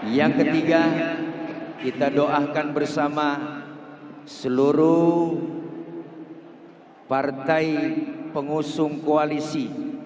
yang ketiga kita doakan bersama seluruh partai pengusung koalisi